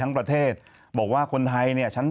ทางแฟนสาวก็พาคุณแม่ลงจากสอพอ